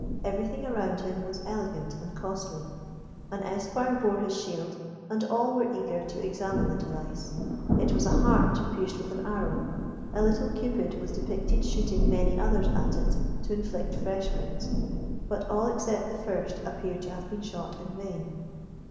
Everything around him was elegant and costly. An esquire bore his shield, and all were eager to examine the device. It was a heart pierced with an arrow; a little Cupid was depicted shooting many others at it to inflict fresh wounds, but all except the first appeared to have been shot in vain.